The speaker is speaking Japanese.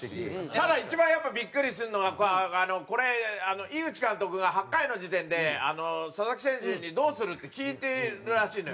ただ一番やっぱビックリするのはこれ井口監督が８回の時点で佐々木選手に「どうする？」って聞いてるらしいのよ。